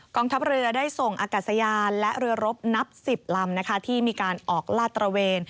ทัพเรือได้ส่งอากาศยานและเรือรบนับ๑๐ลำที่มีการออกลาดตระเวน